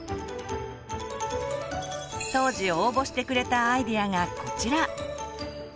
当時応募してくれたアイデアがこちら。